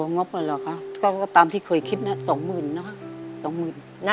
อ๋องบเหรอคะก็ตามที่เคยคิดนะสองหมื่นนะคะสองหมื่น